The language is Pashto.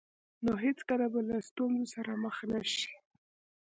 نو هېڅکله به له ستونزو سره مخ نه شئ.